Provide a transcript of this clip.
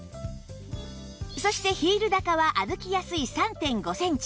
そしてヒール高は歩きやすい ３．５ センチ